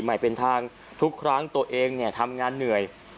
ใหม่เป็นทางทุกครั้งตัวเองเนี่ยทำงานเหนื่อย